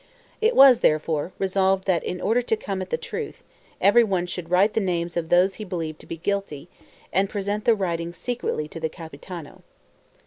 It was, therefore, resolved that in order to come at the truth, everyone should write the names of those he believed to be guilty, and present the writing secretly to the Capitano.